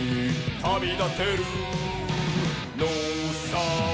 「旅立てるのさ」